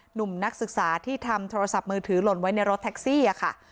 หนุ่มนักศึกษาที่ทำโทรศัพท์มือถือหล่นไว้ในรถแท็กซี่ค่ะ